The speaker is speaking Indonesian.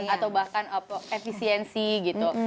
atau bahkan efisiensi gitu